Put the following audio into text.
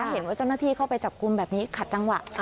เห็นว่าเจ้าหน้าที่เข้าไปจับกลุ่มแบบนี้ขัดจังหวะ